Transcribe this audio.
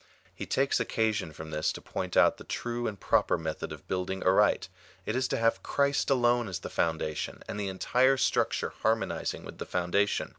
He takes occasion from this to point out the true and proper method of building aright. It is to have Christ alone as the foundation, and the entire structure harmonizing with the foundation.